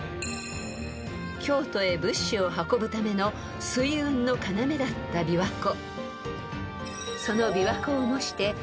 ［京都へ物資を運ぶための水運の要だった琵琶湖］